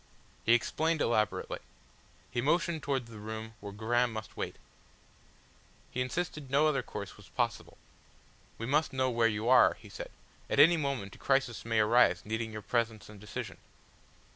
He explained elaborately. He motioned towards the room where Graham must wait, he insisted no other course was possible. "We must know where you are," he said. "At any moment a crisis may arise needing your presence and decision."